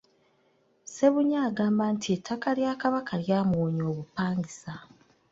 Ssebunya agamba nti ettaka lya Kabaka lyamuwonya obupangisa.